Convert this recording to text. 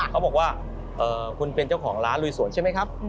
เขาบอกว่าคุณเป็นเจ้าของร้านลุยสวนใช่ไหมครับ